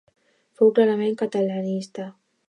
Fou clarament catalanista.